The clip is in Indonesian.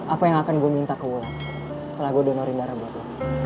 apa yang akan gue minta ke gue setelah gue donorin darah buat gue